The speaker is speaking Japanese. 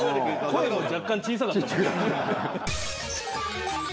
声も若干小さかったもんね。